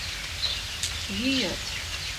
Йӱыт.